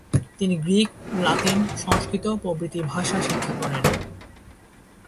তিনি Greek, Latin, Sanskrit প্রভৃতি ভাষা শিক্ষা করেন।